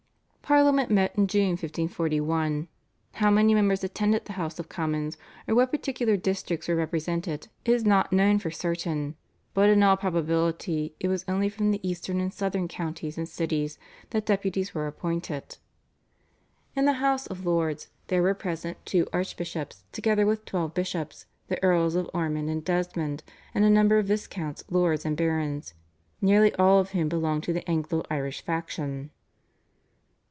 Parliament met in June 1541. How many members attended the House of Commons or what particular districts were represented is not known for certain; but in all probability it was only from the eastern and southern counties and cities that deputies were appointed. In the House of Lords there were present two archbishops together with twelve bishops, the Earls of Ormond and Desmond, and a number of viscounts, lords and barons, nearly all of whom belonged to the Anglo Irish faction.